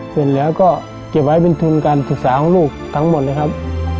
เสร็จแล้วก็เก็บไว้เป็นทุนการศึกษาของลูกทั้งหมดเลยครับ